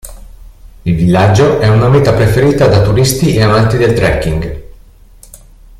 Il villaggio è una meta preferita da turisti e amanti del trekking.